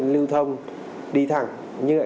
lưu thông đi thẳng